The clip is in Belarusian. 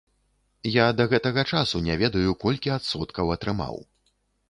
Я да гэтага часу не ведаю, колькі адсоткаў атрымаў.